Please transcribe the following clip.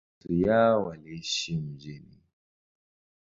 Nusu yao waliishi mjini.